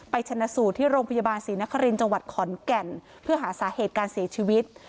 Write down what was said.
ชนะสูตรที่โรงพยาบาลศรีนครินทร์จังหวัดขอนแก่นเพื่อหาสาเหตุการเสียชีวิต